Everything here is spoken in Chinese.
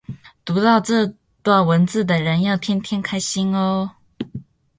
读到这段文字的人要天天开心哦